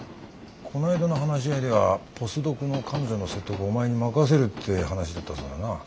こないだの話し合いではポスドクの彼女の説得をお前に任せるって話だったそうだな。